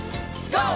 ＧＯ！